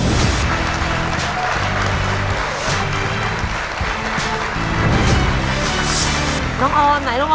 คุณยายแจ้วเลือกตอบจังหวัดนครราชสีมานะครับ